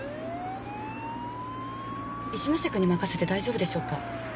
一ノ瀬くんに任せて大丈夫でしょうか？